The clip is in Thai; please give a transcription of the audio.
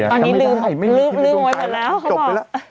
ตอนนี้ลืมลืมไว้หมดแล้วเขาบอกแล้ว